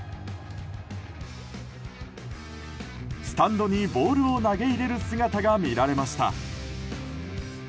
スタンドにボールを投げ入れる姿が見られました。